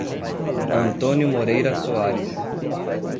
Antônio Moreira Soares